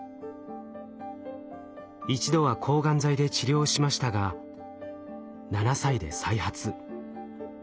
一度は抗がん剤で治療しましたが７歳で再発。